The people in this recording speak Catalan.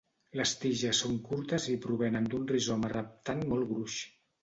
Les tiges són curtes i provenen d'un rizoma reptant molt gruix.